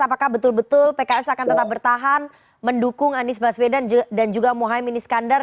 apakah betul betul pks akan tetap bertahan mendukung anies baswedan dan juga mohaimin iskandar